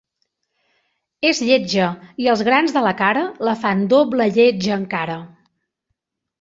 És lletja i els grans de la cara la fan doble lletja encara.